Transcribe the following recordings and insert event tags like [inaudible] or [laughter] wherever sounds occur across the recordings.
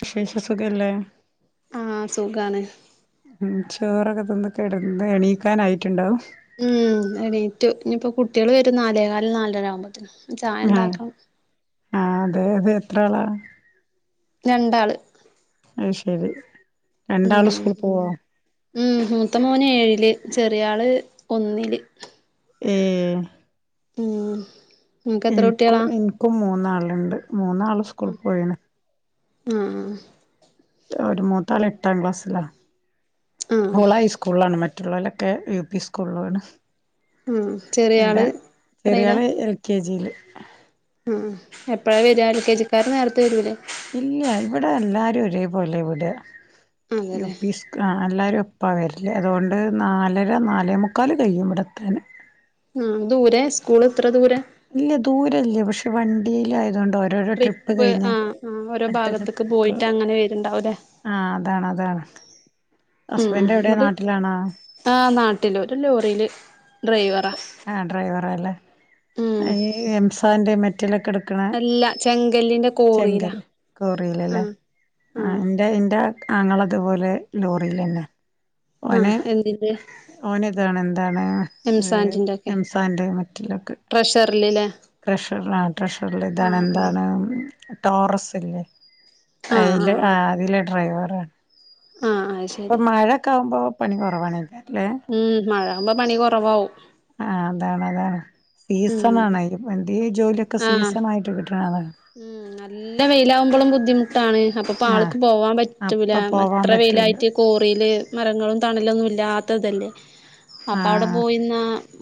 വിശേഷം സുഖല്ലേ ആഹ് സുഖാണ് [unintelligible] ചോറൊക്കെ തിന്ന് കിടന്ന് എണീക്കാനായിട്ടുണ്ടാവും. ഉം എണീറ്റു കുട്ടികള് വരും നാലേകാല് നാലര ആവുമ്പോത്തനന് ചായ ഉണ്ടാക്കാം ആ അതെ അതെ എത്ര ആളാ രണ്ടാള് അയ് ശെരി രണ്ടാള് ഉം സ്കൂൾ പോവാ ഉം മൂത്ത മോന് ഏഴില് ചെറിയള് ഒന്നില്. ഏ ഉം നിങ്ങക്ക് എത്ര എനിക്കും കുട്ടികളാ എനിക്കും മൂന്നാളുണ്ട് മൂന്നാള് സ്കൂള പോയ്ണ് ആ ഒരു മൂത്താല് എട്ടാം ക്ലാസ്സിലാ ആഹ് മോള ഹൈസ്കൂളിലാണ് മറ്റ മറ്റുള്ളവലൊക്കെ യു പി സ്കൂളിലണ് ആഹ് ചെറിയ എന്താ ആള് ചെറിയള് എൽ കെ ജിയില് ആ എപ്പഴാ വര എൽ കെ ജിക്കർ നേരത്തെ വരൂലേ ഇല്ല ഇവിടെ എല്ലാരും ഒരേ പോലെ ഇവിടെ യു അതെല്ലേ പി സ് എല്ലാരും അപ്പ വരില്ലേ അതുകൊണ്ട് നാലര നാലേ മുക്കാൽ കഴിയും ഇവിടെത്തന് ആ ദൂരെ സ്കൂൾ ഇത്ര ദൂരെ അല്ല ദൂരല്ലേ പക്ഷെ വണ്ടിൽ ആയതുകൊണ്ട് ഓരോരോ ട്രിപ്പ് കഴിഞ്ഞ് ആഹ് ആഹ് ഓരോ അടുത്ത ട്രിപ്പ് ഭാഗത്ത്ക്ക് എടുക്കുക പോയിട്ട് അങ്ങനെ വരുണ്ടാവൂലേ ആഅതാണ് അതാണ് ഉം ഹസ്ബൻഡ് എവിടെയാ നമ്മടെ നാട്ടിലാണോ ആ നാട്ടില് ഒരു ലോറിയില് ഡ്രൈവറാ ആ ഡ്രൈവറല്ലേ ഉം ഈ എംസാന്റെ മെറ്റലൊക്കെ എടുക്ക അല്ല [unintelligible] ചെങ്കല്ലിന്റെ കോറിയിലാ ചങ്കല് കോറിലല്ലേ ആഹ് ആ ആഹ് എറെ എന്റെ താങ്ങളതുപോലെ ലോറിൽ തന്നെ ഓന ആഹ് എന്തിന്റെ ഓന ഇതാണ് എന്താണ് എംസാന്റിന്റെ ഒക്കെ എംസാന്റെ മറ്റിലൊക്കെ ട്രഷറിലില്ലേ ട്രഷർ ആ ട്രഷറിൽ ഇതാണ് ആഹ് ആഹ് എന്താണ് ടോറസ് ഇല്ലേ ആഹ് അതില് ആഹ് ആ അതില് ഡ്രൈവറാണ് ആഹ് അത് ഇപ്പൊ ശരി മഴൊക്കെ ആവുമ്പോ പണിക്ക കുറവാണ് ഇല്ലേ ഉം മഴകുമ്പോ പണി കുറവാവും ആ അതാണ് അതാണ് സീസൺ ഉം ആാണ് എന്ത് ജോലിയൊക്കെ ആഹ് സീസൺ ആയിട്ട് കിട്ടും ഉം നല്ല വെയിലാകുമ്പോളും ബുദ്ധിമുട്ടാണ് അപ്പപ്പോൊ ആഹ് ആൾക്ക് പോവാൻ പറ്റൂല അപ്പ പോവാൻ അത്ര വ പറ്റൂല യിലായിട്ട് കോറയില് മരങ്ങളും തണലൊന്നും ഇല്ലാത്തതല്ലേ അപ്പൾ അവിടെ ആഹ് പോയിുന്ന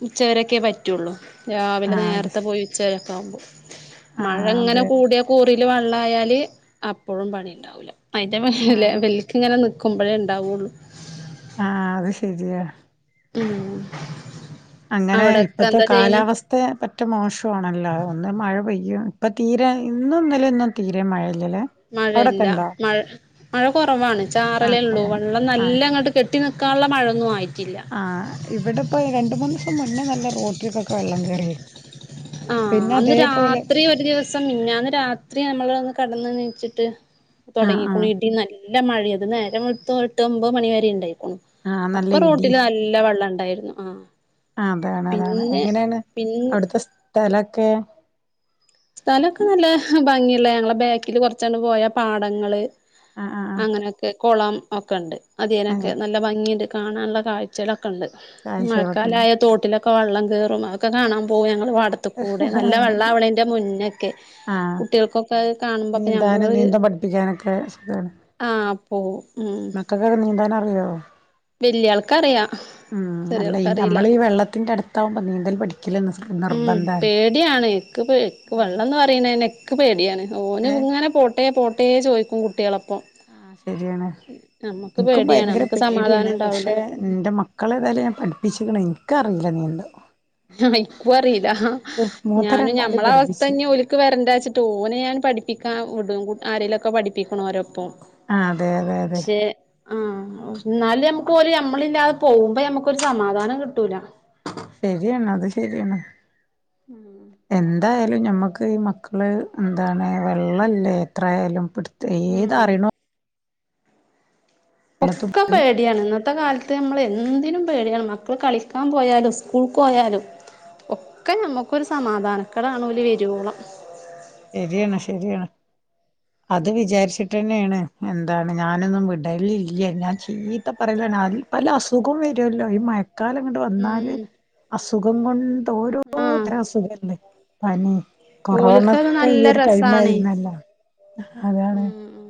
ഉച്ചകരൊക്കെേ പറ്റയുള്ളു രാവിലെ ആഹ് അത് നേരത്തെ പോയി ഉച്ചകരൊക്കെ ആവുമ്പോൾ മഴ അ ആഹ് അങ്ങനെ അതെ കൂടിയ കൂറിൽ വെള്ളയാാല് അപ്പോഴും പണി ഉണ്ടാവൂല അതില്ല ആഹ് വലക്ക് ഇങ്ങനെ നിക്കുമ്പോഴേ ഉണ്ടാവുള്ളു ആ അത് ശരിയാ ഉം അങ്ങനെ അവിടൊക്കെ ഇപ്പത്തെ എന്താ ചെയ്യണ് കാലാവസ്ഥ പറ്റ മോശമാണല്ലോ ഒന്ന് മഴ പെയ്യും ഇപ്പൊ തീരെ ഇന്നുംന്നല ഇന്നും തീരെ മഴ മഴല്ല മഴ മഴ കുറവാണ് ആഹ് ചാറലേ ഉള്ളൂ കുറവ് വെള്ളം ആഹ് നല്ല അങ്ങോട്ട് കെട്ട കട്ട നിൽക്കാനുള്ള മഴൊന്നും ആയില്ല ആഹ് ഇവിടെപ്പോൊ രണ്ട മൂന്ന് ദിവസം മുന്നേ നല്ല റോട്ടിലക്കൊക്കെ വെള്ളം കയറി ആ അന്ന് രാത്രി ഒരു ദിവസം പിന്നെ അന്ന് രാത്രി നമ്മൾ [unintelligible] ച്ചിട്ട് ആഹ് തുടങ്ങി കുണ ആഹ് ഇടല്ല നല്ല മഴ അത് നേര മു എട്ട് ഒമ്പത് മണി വരെ ഉണ്ടായിക്കോും ആഹ് നല്ല അപ്പൊ ഇടി റോട്ടില് നല്ല വെള്ളം ഉം അതായിരുന്നു ആഹ് അതാണ് അതാണ് പിന്നെ എങ്ങനെയാണ് പിൻ അവിടുത്തെ സ്ഥലൊക്കെ സ്ഥലമൊക്കെ നല്ല ഭംഗിയല്ല ഞങ്ങളെ ബാക്കില് കുറച്ചാണ് പോയാ പാടങ്ങള് ആ ആ ആ അങ്ങനെയൊക്കെ കുളം ഒക്കെ ഉണ്ട് അധനൊക്കെ അങ്ങനെ നല്ല ഭംഗിയണ്ട് കാണാനുള്ള കാഴ്ചകളൊക്കെ ണ്ട് കാഴ്ചകളൊക്കെ ഉണ്ട് മഴക്കാലായ തോട്ടിലൊക്കെ വെള്ളം കയറും അതൊക്കെ കാണാൻ പോകും ഞങ്ങ വാടത്തി കൂടെ നല്ല വെള്ളണ ആ കുട്ടികൾക്കൊക്കെ കാണുമ്പോപ്പൊ നീന്താനും ഞമ്മളൊരു നീന്തം പഠിപ്പിക്കാനൊക്കെ സുഖാണ് ആ അപ്പോ ഉം മക്കൾക്കൊക്കെ [unintelligible] വല്യ ആൾക്കറിയാം മം അല്ല നമ്മള് ഈ വെള്ളത്തിന്റെ അടുത്താവുമ്പോ നീന്തൽ പഠിക്കല്ല് ഉം നിർബന്ധാണ് പേടിയാണ് ഇക്ക് വെള്ളന്ന് പറയുന്ന തന്നെ നെക്ക് പേടിയാണ് ഓന് ഏ ഇങ്ങനെ പോട്ടേ പോട്ടേ ചോദിക്കും കുട്ടികളോപ്പം ആ ശരിയാണ് എനിക്കും പേടിയാണ് ഭയങ്കര നമ്മക്ക് സമാധാനം പേടിയാണ് ഉണ്ടാവൂല പക്ഷെ എന്റെ മക്കളെ ഏതായാലും ഞാൻ പഠിപ്പിച്ചിക്കണ് എനിക്കറി - അഞ്ചെണ്ണമൊണ്ട് എനക്കും അറിയില്ല മൂത്ത ഞാനും രണ്ടാളേം ഞമ്മള അവസ്ഥ പഠിപ്പിച്ച് തന്നെ ഓല്ക്ക് വരണ്ടവച്ചിട്ട് ഓന് ഞാൻ പഠിപ്പിക്കാ വിടും കുട്ട് ആരെലുമൊക്കെ പഠിപ്പിക്കണവരോപ്പം ആ അതെ അതെ അതെ പക്ഷെ ആ എന്നാല് ഞമ്മക്ക് ഓല് നമ്മളില്ലാതെ പോകുമ്പോ ഞമ്മക്കൊരു സമാധാനം കിട്ടൂല ശരിയാണ് അത് ശരിയാണ് എന്തായ യാലും ഞമ്മക്ക് ഈ മക്കള് എന്താണ് വെള്ളല്ലേ എത്രായാലും പിടു- ഏത് ഉം അറിയണോ ഒക്കെ പേടിയാണ് ഇന്നത്തെ കാലത്ത് നമ്മള് എന്തിനും പേടിയാണ് മക്കള് കളിക്കാൻ പോയാലും സ്കൂളുക്ക് പോയാലും ഒക്കെ നമുക്കൊരു സമാധാനക്കേടാണ് ഓര് വരുവോളം ശരിയാണ് ശരിയാണ് അത് വിചാരിച്ചിട്ട് തന്നെയാണ് എന്താണ് ഞാനൊന്നും വിടലില്ല ഞാൻ ചീത്ത പറയലാണ് അതിൽ പല അസുഖം വരുവല്ലോ ഈ മ ഴകാലം ഇങ്ങട് വന്നാല് ഉം അസുഖം കൊണ്ട് ആഹ് ഓരോത്തരം അസുഖല്ലേ പനി ഓല്ക്കത് കൊറോണയൊക്കെ ഈ നല്ല ഒരു ടൈം ആയിരുന്നല്ലോ അതാണ് മം മം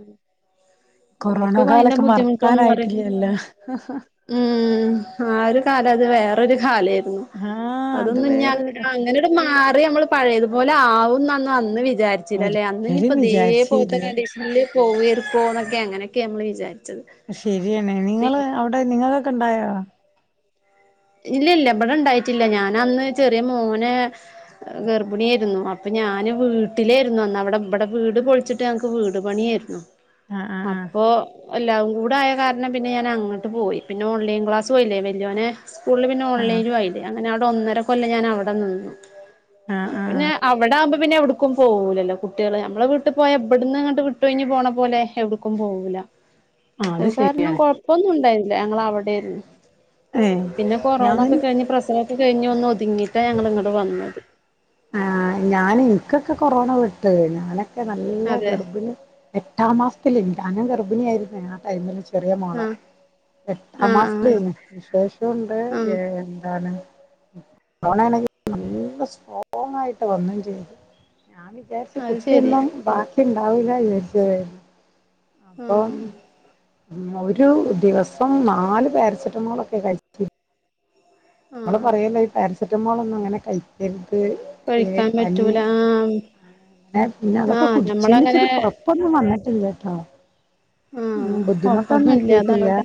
കൊറോണ കാലൊക്കെ മറക്കാനായിട്ടില്ലല്ലോ മം ആ ഒരു കാലം അത് വേറൊരു കാലായിരുന്നു ആഹ് അത് അതൊന്നും ഇനി അങ്ങ് വേറൊരു അങ്ങനെയോ- മാറി ഞമ്മള് പഴയതുപോലെ ആവുന്നന്ന് അന്ന് വിചാരിച്ചില്ലല്ലേ അന്ന് ഒരിക്കലും ഇനിപ്പൊ ഇതേപോലത്തെ വിചാരിച്ചീല്ല കണ്ടീഷനില് പോവരെ പൊണവൊക്കെ അങ്ങനെയൊക്കെ നമ്മൾ വിചാരി ശെരിയണേ നിങ്ങള് അവിടെ നിങ്ങൾക്ക് ഉണ്ടായോ ഇല്ല ഇല്ല ഇവിടെ ഇണ്ടായിട്ടില്ല ഞാൻ അന്ന് ചെറിയ മോനെ ഗർഭിണിയായിരുന്നു അപ്പൊ ഞാന് വീട്ടിലായിരുന്നു അന്ന് അവിടെ ഇവിടെ വീട് പൊളിച്ചിട്ട് ഞങ്ങക്ക് വീട് പണിയായിരുന്നു ആഹ് ആഹ് അപ്പൊ എല്ലും കൂ ടായ കാരണം പിന്നെ ഞാന് അങ്ങോട്ട് പോയി പിന്നെ ഓൺലൈൻ ക്ലാസും ആയിലെ വലിയോനെ സ്കൂളില് പിന്നെ ആഹ് ഓൺലൈനും ആയില്ലേ അങ്ങനെ അവിടെ ഒന്നര കൊല്ലം ഞാൻ അവിടെ നിന്നു ആഹ് ആഹ് പിന്നെ ആഹ് അവിടെ ആവുമ്പോ പിന്നെ എവിടേക്കും പോവൂല്ലല്ലോ കുട്ടികള് ഞമ്മളെ വീട്ടിൽ പോയാ ഇവിടുന്ന് അങ്ങട്ട് വിട്ട കഴിഞ്ഞു പോണപോലെ എവിടുക്കും പോവൂ ല്ല ആഹ് അത് കാരണം ശരിയാണ് കൊഴപ്പൊന്നും ഉണ്ടായില്ല ഞങ്ങള് അവിടെയായിരുന്നു ഏഹ് പിന്നെ കൊറോണ ഞാന് ഒക്കെ കഴിഞ്ഞ് പ്രസവവൊക്കെ കഴിഞ്ഞ് ഒന്ന് ഒതുങ്ങിട്ടാ ഞങ്ങള് ഇങ്ങട് വന്നത് ആ ഞാന് എനിക്കൊക്കെ കൊറോണ വിട്ട് ഞാന നല്ല അതെ ഗർഭിണി എട്ടാം മാസത്തിലെ ഞാനും ഗർഭിണിയായിരുന്നെ ആ ടൈമില് ചെറിയ മോളെ ആഹ് എട്ടാം ആഹ് മാസത്തിലേ ആഹ് വിശേഷം ഉണ്ട് ആഹ് ഏ എന്താണ് കൊറോണ ആണെങ്കി നല്ല സ്ട്രോങ്ങായിട്ട് വന്നും ചെയ്തു ഞാൻ വിചാരിച്ച് അത് ശരി കുട്ടിയൊന്നും ബാക്കി ഉണ്ടാവൂല്ല വിചാരിച്ചതായിരുന്നു അപ്പം ആഹ് ഒരു ദിവസം നാല് പാരസെറ്റമോൾ ഒക്കെ കഴിച്ചി നമ്മൾ ആഹ് പറയൂല്ലോ ഈ പാരസെറ്റമോൾ ഒന്നും അങ്ങനെ കഴിക്കരുത് ഏ ഏ കഴിക്കാൻ പനി പറ്റൂല ആഹ് പിന്നെ പിന്നെ അതൊക്കെ ആഹ് കുടിച്ചുന്ന് ഞമ്മളങ്ങനെ വച്ചിട്ട് കുഴപ്പമൊന്നും വന്നിട്ടില്ലാട്ടോ ആഹ് ഉം ബുദ്ധിമുട്ടൊന്നും കൊഴപ്പൊന്നും എത്തിട്ടില ഇല്ലാതാവട്ടെ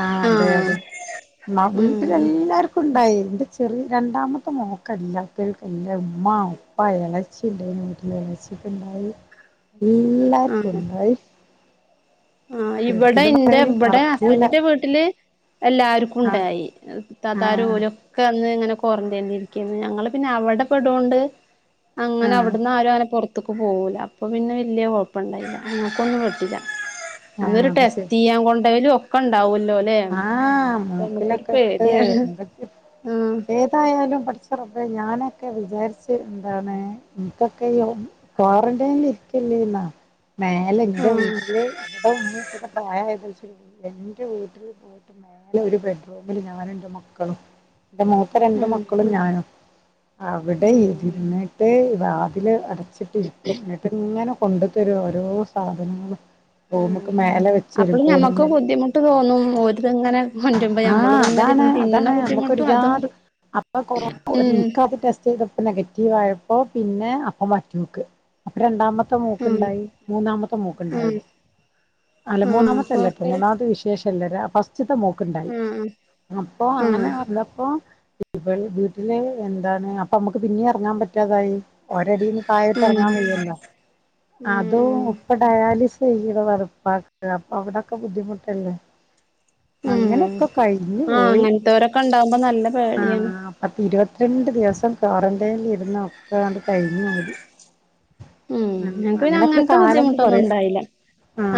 ആ അതെ ആഹ് അതെ മ ഉം വീട്ടില് എല്ലാർക്കും ഉണ്ടായി എന്റെ ചെറിയ രണ്ടാമത്തെ മോക്കല്ലാത്തവർക്കെല്ലാം ഉമ്മ ഉപ്പ ഇളച്ചി ഉണ്ടായിനു എൻ്റെ ഇളച്ചിക്ക് ഉണ്ടായി എല്ലാർക്കും ഉണ്ടായി ആ ഇവിടെ ശരിക്കും എൻ്റെ പറയുകയാണെങ്കിൽ ഇവിടെ മറക്കൂല ഹസ്ബന്റിന്റെ വീട്ടില് എല്ലാർക്കും ആ ഉണ്ടായി ആ തത്താരു പോലൊക്കെ അന്ന് ഇങ്ങനെ ക്വാറന്റൈനരിക്ക ഞങ്ങള് പിന്നെ അവിടെ പെടോണ്ട് അങ്ങനെ ആ അവിടന്ന് ആര അങ്ങനെറ അത്തക്ക് പോകൂല അപ്പൊ പിന്നെ വലിയ കുഴപ്പ ഇണ്ടായില്ല നിങ്ങക്കൊന്നും വെട്ടില്ല ആഹ് അന്നരു അത് ടെസ്റ്റ് ചെയ്യാൻ കൊണ്ടലും ഒക്കെ ഉണ്ടാവൂല ആഹ മൂക്കിലൊക്കെ ഇട്ട് പേടിയാണ് എന്തൊക്ക ആഹ് ഏതായാലും പഠിച്ചറപ്പ ഞാന് ക്കെ വിചാരിച്ച് എന്താണ് നിനക്കൊക്കെ ഈ ക്വാറന്റൈനൽ ഇരിക്കില്ലല്ലാ മാല എന്റെ ആഹ് വീട്ടില് എവിടെ ഉമ്മയക്കക്കെ പ്രായം ഏ എന്റെ വീട്ടിൽ ഓട്ട് മേനെ ഒരു ബെഡ്റൂമില് ഞാന എന്റെ മക്കളും എന്റെ മൂത്തെ രണ്ട് ഉം മക്കളും ഞാനും അവിടെ ഉം ഇര്ന്നിട്ട് വാതില് അടച്ചിട്ട് ഇരിക്കും ഇന്നിട്ട് ഇങ്ങനെ കൊണ്ടു തരും ഓരോ സാധനങ്ങളും ഉം റൂമ്ക്ക് മേലെ വെച്ചരും അപ്പളും ഞമ്മക്ക് കോണിമേൽ ബുദ്ധിമുട്ട് തോന്നും ഓര്ത്ങ്ങനെ കൊൻ്റുമ്പൊ ഞമ്മള് ആഹ് ത്ങ്ങനെ അതാണ് ഇര്ന്ന് അതാണ് തിന്ന്ണ ബുദ്ധിമുട്ടും അതും നമ്മുക്കൊരുജാട് അപ്പൊ കൊറോ ഉം [unintelligible] ഇക്ക് അത് ടെസ്റ്റ് ചെയ്ത നെഗറ്റീവ് ആയപ്പോ പിന്നെ അപ്പൊ മറ്റോൾക്ക് അപ്പൊ രണ്ടാമ ത്തെ ഉം മോക്ക്ണ്ടായി മൂന്നാമത്തെ ഉം മോക്ക്ണ്ടായത് അല്ല ആഹ് മൂന്നാമത്തെല്ലട്ടോ പോക്കര് മൂന്നാമത്തെ വിശേഷ ല്ലരാ ഫസ്റ്റ്ത്തെ മോക്ക്ണ്ടായി ആഹ് അപ്പൊ ആഹ് അങ്ങനെ വന്നപ്പോ ഇവൾ വീട്ടില് എന്താണ് അപ്പൊ നമ്മുക്ക് പിന്നിം എറങ്ങാൻ പറ്റാതായി ഓരടീന്ന് തായത്ത് ഉം എറങ്ങാൻ വയ്യല്ലോ ഉം അതും ഉം ഉപ്പ ഡയാലിസ് ചെയ്യ്ണതാണ് ഇപ്പാക്ക് അപ്പൊ അവടെക്കെ ബുദ്ധിമുട്ടല്ലേ ഉം അങ്ങനെക്കെ കഴിഞ്ഞു ആഹ് പോയി അങ്ങനത്തോരൊക്കെ ഉണ്ടാവുമ്പോ നല്ല പേടിയാണ് ആഹ് പത്തി ഇരുവത് ത്ത്രണ്ട് ദിവസം ക്വാറന്റൈനിലിരുന്നു ഒക്കണ്ട് കഴിഞ്ഞൂടി ഉം ഞങക്ക് പിന്നെ അങ്ങനത്തെ ബുദ്ധിമുട്ടൊന്നും പറയാം ഉണ്ടായില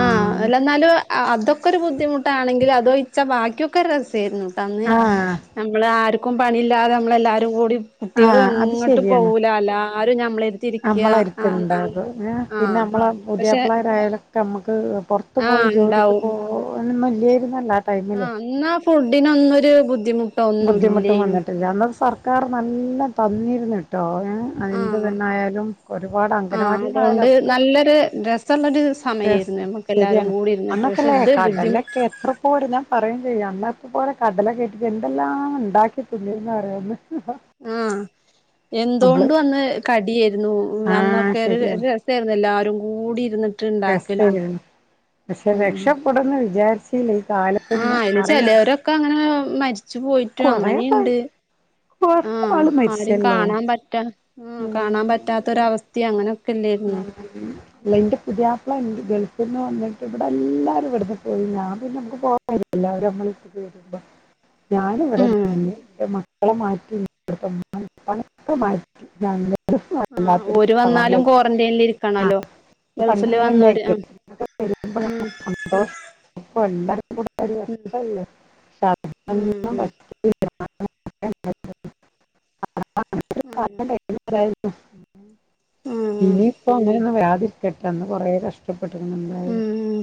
ആഹ് അല്ല എന്നാലും അതൊക്കെ ഒരു ബുദ്ധിമുട്ടാണെങ്കിലും അതോയ് ച്ച ബാക്കിയൊക്കെ രസേരുന്നുട്ട അന്ന് ആഹ് നമ്മള് ആര്ക്കും പണിയില്ലാതെ നമ്മളെല്ലാവരും കൂടി കുട്ടികളും ആഹ് അത് എങ്ങട്ടും ശരിയാണ് പോവൂല എല്ലാരും ഞമ്മളെര്തിരിക്ക റ്റ്ണ്ടാകും ഏ പിന്നെ നമ്മളെ പക്ഷെ പുതിയാപ്പളാരായിലൊക്കെ ഞമ്മക്ക് പുറത്ത്പോയി ആഹ് ജോലിക്ക് പോവലൊന്നുല്യേര്ന്നല്ല ആ ഇന്നാ ഫുഡിനൊന്നൊരു ബുദ്ധിമു ബുദ്ധിമുട്ടും വന്നിട്ടില്ല അന്നത്തെ സർക്കാർ നല്ലം തന്നിര്ന്ന്ട്ടോ ഏ അഎന്ത് ആഹ് തന്നെ ആയാലും ഒരുപാട് ആഹ് അതുകൊണ്ട് അംഗനവാടീന്നായാലൊക്കെ നല്ലൊരു രസള്ളൊരു സമയായിരുന്നു രസം ഞമ്മക്ക് എല്ലാരും ശരിയാണ് കൂടി ഇരുന്നിട്ട് പക്ഷെ അന്നൊക്കെല്ലേ ഇത് ബുദ്ധിമു കടലൊക്കെ എത്ര പോര ഞാൻ പറയും ചെയ്യും അന്ന ഇത് പോലെ കടലക്കേട്ടിട്ട് എന്തെല്ലാം ഇണ്ടാക്കി തിന്നീര്ന്നു ഓരോന്ന് എന്തോണ്ടും അന്ന് കടിയേര്ന്നു ആഹ് അന്നൊക്കെ ഒരു ഒര് രസേര്ന്നു എല്ലാ രും കൂടി ഇര്ന്ന് രസേന്നു പക്ഷെ രക്ഷപ്പെടുംന്ന് വിചാരിച്ചീ [unintelligible] കാലത്ത്ന്ന് മറിയട ച്ച് പോയിട്ടും അങ്ങനീണ്ട് കൊറേ ആഹ് ആള് ആരിം മരിച്ചല്ലോ കാണാൻ പറ്റാ ആ കാണാൻ പറ്റാത്തൊരവസ്ഥിം അങ്ങ ആ അല്ല ഇന്റെ പുതിയാപ്പ്ള ഇൻ ഗൾ ഫ്ന്ന് വന്നിട്ട് ഇവടെ എല്ലാരും ഇവിട്ന്ന് പോയി ഞാൻ പിന്നെ നമുക്ക് [unintelligible] അവര് നമ്മളര്ത്ത്ക്ക് വരുമ്പോ ഞാനിവിടെ ഉം നിന്ന് ഇൻ്റെ മ ക്കളെ മാറ്റി [unintelligible] ഉമ്മാനിം ഇപ്പാനിം ഒക്കെ മാറ്റി ഞങ്ങള് [unintelligible] വല്ലാത്തൊരു [unintelligible] ൻ്റെയിൻല് ഇരിക്കണല്ലോ ഗൾഫ് പണ്ട് ന്ന് ഇങ്ങനെയല്ലേ വന്നോര് ആ ഉം ഇപ്പ എല്ലാർക്കും [unintelligible] പക്ഷേ അന്നൊന്നും ഉം പറ്റൂല [unintelligible] ആ ഉം പെട്ടെന്ന് കൊറേ കഷ്ട ടപ്പെട്ട്ക്ക്ണ് ഉം എന്തായാലും ഉം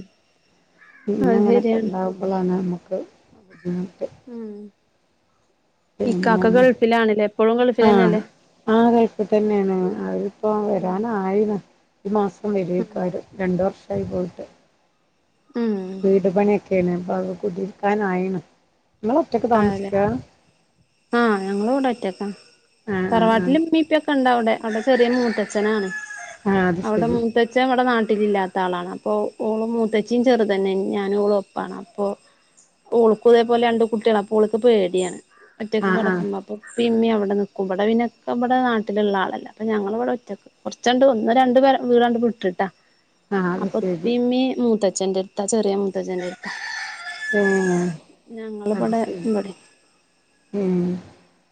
ഇഞ്ഞ് അത് അങ്ങനെക്കെ ശരിയാണ് ഇണ്ടാവുമ്പളാണ് നമ്മക്ക് ബുദ്ധിമുട്ട് ഉം പിന്നെ ഇക്കാക്ക മ- ഗൾഫിലാണ് ലേ ആ ആ ഗൾഫ് തന്നേണ് അത്പ്പോ വരാനായിണ് ഈ മാസം വരായ്‌ക്കാരം രണ്ട് വർഷായി പോയിട്ട് ഉം വീട് പണ്യൊക്കേണ് അപ്പത് കുടിര്ക്കാനായിണ് ഇങ്ങള് ഒറ്റക്ക് ആണല്ലേ താമസിക്ക ആഹ് ഞങ്ങള് ഇവടെ ഒറ്റക്കാണ്‌ ആഹ് ആഹ് ആഹ് തറവാട്ടിലുമ്മീപ്പൊക്കെ ഇണ്ടവടെ അവടെ ചെറിയ മൂത്തച്ഛനാണ് ആഹ് അത് അവടെ ശരി മൂത്തച്ഛൻ ഇവടെ നാ ട്ടിലില്ലാത്ത ആളാണ് അപ്പൊ ഓള് മൂത്തച്ചിം ചെറുതന്നാണ്‌ ഞാനും ഓളും ഒപ്പാണ് അപ്പൊ ഓളുകിതെ പോലെ രണ്ടു കുട്ടികളാ അപ്പൊ ഓള്ക്ക് പേട്യാണ് ഒറ്റക്ക് ആഹ് ആഹ് കെടക്കുമ്പോ അപ്പൊ ഉപ്പേംമ്മീം അവ ടെ നിക്കും ഇവടെ പിന്നെ ഇവടെ നാട്ടില്ള്ള ആളല്ലേ അപ്പോ ഞങ്ങളിവിടെ ഒറ്റക്ക് കൊറച്ചങ്ങട് ഒന്ന് രണ്ട് വീടാണ്ട് വ്ട്ടിട്ടാ ആഹ് അത് ശരി അപ്പൊപ്പേം മ്മീം മൂത്തച്ചന്റടുത്ത ചെറിയ മൂത്തച്ചന്റെ എടുത് ഏഹ് ഞങ്ങൾ അത് ശരി ഉം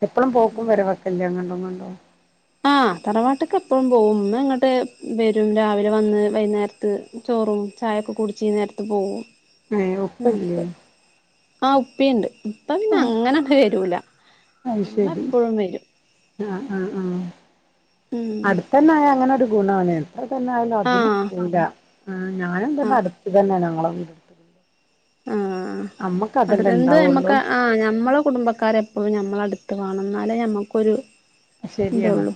എപ്പഴും പോക്കും വരവൊക്ക്ല്ലേ അങ്ങണ്ടൊന്നും ഇണ്ടോ ആ തറവാട്ട്ക് എപ്പഴും പോകും പിന്നെ ഇങ്ങോട്ട് വരും രാവിലെ വന്ന് വൈകുന്നേരത്ത് ചോ റും ചായൊക്കെ കുടിച്ച് ഈ നേരത്ത് പോകും ഏ ഉപ്പല്ല്യെ ആ ഉപ്പിണ്ട് ഉപ്പ പിന്നെ അങ്ങനങ്ങ് വരൂല ഇമ്മ എപ്പഴും വരും ആ ആ ആ ഉം അടുത്തന്നെ ആയ അങ്ങനൊരു ഗുണാല്ലേ അത്ര തന്നെ ആയാലും അതിനും ആഹ് കൂട ആ ഞാനും തന്നെ ആഹ് അടുത്ത് തന്നെ ഞങ്ങളെ വീടടുത്ത് ആ അടുത്തെ എന്ത് ഇണ്ടാവുള്ളൂ ഞമ്മക്ക് ആ ഞമ്മളെ കുടുംബക്കാര് എപ്പോഴും നമ്മളെ ടുത്ത് വാണം എന്നാലേ ഞമ്മക്കൊരു ശര്യാണ് ഇതൊള്ളൂ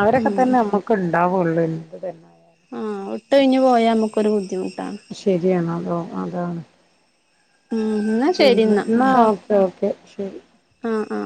അവരൊക്കെ ഉം തന്നെ നമ്മക്ക് ഇണ്ടാവുള്ളു എന്ത് തന്നായാലും ട്ടഴിഞ്ഞ് പോയാ മ്മകൊര് ബുദ്ധിമു ശരിയാണ് അതോ അതാണ് ഉ ന്നാ പിന്നെ ശരിന്നാ എന്നാ ട്ട ഓക്കെ ഓക്കെ ശരി ആ ആ ആ